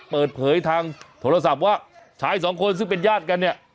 เปิดเผยทางโทรศัพท์ว่าชายสองคนซึ่งเป็นญาติกันเนี่ย